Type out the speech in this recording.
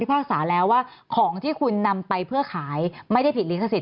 ภาษาแล้วว่าของที่คุณนำไปเพื่อขายไม่ได้ผิดลิขสิท